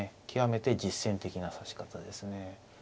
極めて実戦的な指し方ですね。